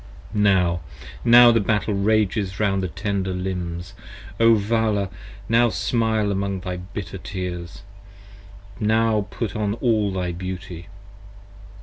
Now, now the battle rages round thy tender limbs, O Vala, 30 Now smile among thy bitter tears; now put on all thy beauty.